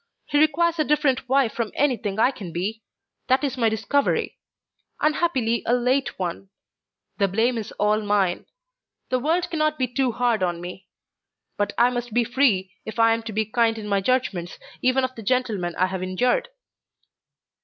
He requires a different wife from anything I can be. That is my discovery; unhappily a late one. The blame is all mine. The world cannot be too hard on me. But I must be free if I am to be kind in my judgements even of the gentleman I have injured."